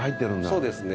そうですね。